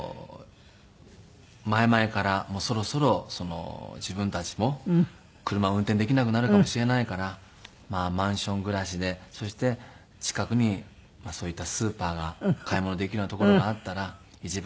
前々からそろそろ自分たちも車を運転できなくなるかもしれないからマンション暮らしでそして近くにそういったスーパーが買い物できるようなところがあったら一番。